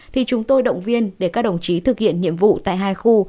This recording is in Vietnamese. thì chúng tôi động viên để các đồng chí thực hiện nhiệm vụ tại hai khu